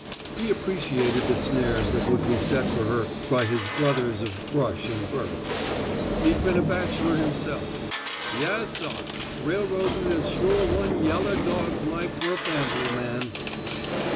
He appreciated the snares that would be set for her by his brothers of brush and berth. He'd been a bachelor himself. "Yas, sah, railroadin' is sure one yalla dawg's life for a fambly man."